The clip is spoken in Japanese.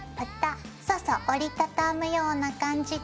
そうそう折り畳むような感じで。